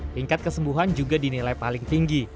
tingkat kesembuhan juga dinilai paling tinggi